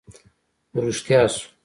خو رښتيا شو